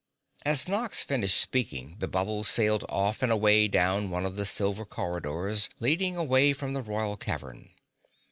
As Nox finished speaking the bubble sailed off and away down one of the silver corridors leading away from the royal cavern.